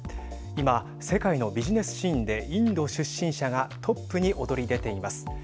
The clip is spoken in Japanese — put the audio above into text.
今、世界のビジネスシーンでインド出身者がトップに躍り出ています。